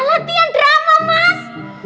latihan drama mas